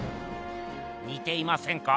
にていませんか？